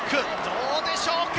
どうでしょうか？